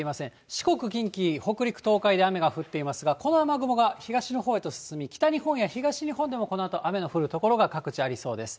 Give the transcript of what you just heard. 四国、近畿、北陸、東海で雨が降っていますが、この雨雲が東のほうへと進み、北日本や東日本でもこのあと、雨の降る所が各地ありそうです。